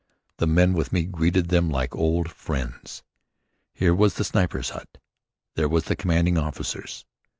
The men with me greeted them like old friends. Here was the Sniper's Hut, there the Commanding Officer's.